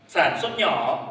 sản xuất nhỏ